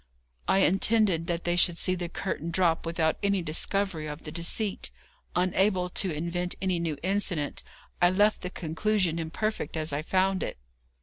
I intended that they should see the curtain drop without any discovery of the deceit. Unable to invent any new incident, I left the conclusion imperfect as I found it.